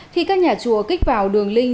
khi các nhà chùa kích vào đường link